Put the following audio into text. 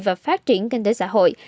và phát triển kinh tế xã hội